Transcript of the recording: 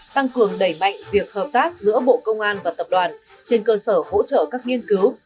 tăng cường đẩy mạnh việc hợp tác giữa bộ công an và tập đoàn trên cơ sở hỗ trợ các nghiên cứu